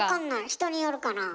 人によるかなあ。